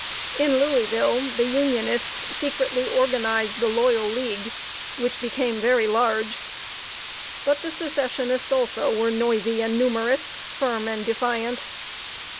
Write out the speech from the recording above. In Louisville, the Unionists secretly organized the "Loyal League," which became very large; but the Secessionists, also, were noisy and numerous, firm and defiant.